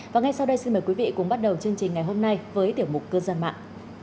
và ngay sau đây xin mời quý vị cùng bắt đầu chương trình ngày hôm nay với tiểu mục cư dân mạng